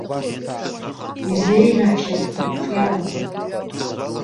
Изеиӷьаҳшьап ақәҿиарақәа.